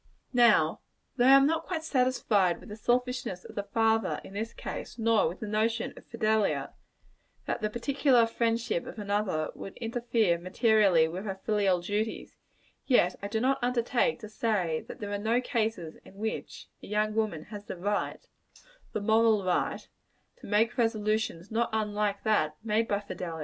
Now, though I am not quite satisfied with the selfishness of the father, in this case nor with the notion of Fidelia, that the particular friendship of another would interfere materially with her filial duties yet I do not undertake to say that there are no cases in which a young woman has the right the moral right to make resolutions not unlike that made by Fidelia.